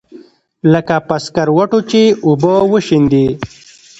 لکه پر سکروټو چې اوبه وشيندې.